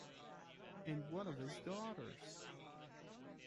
And what of his daughters?